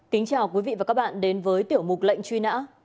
kính chào quý vị và các bạn đến với tiểu mục lệnh truy nã